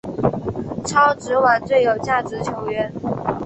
超级碗最有价值球员。